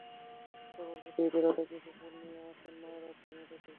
বাবা প্রতি ঈদে রাতে কিছু ফুল নিয়ে আসেন, মায়ের আবদার মেটাতে।